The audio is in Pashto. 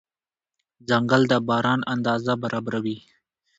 ځنګل د باران اندازه برابروي.